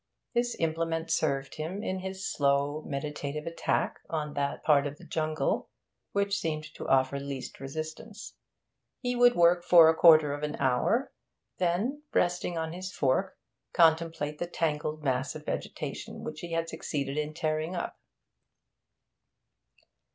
This implement served him in his slow, meditative attack on that part of the jungle which seemed to offer least resistance. He would work for a quarter of an hour, then, resting on his fork, contemplate the tangled mass of vegetation which he had succeeded in tearing up.